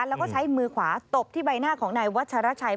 แล้วก็ใช้มือขวาตบที่ใบหน้าของนายวัชรชัย